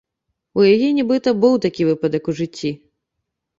У яе, нібыта, быў такі выпадак у жыцці.